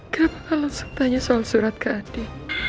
kenapa kau langsung tanya soal surat ke adi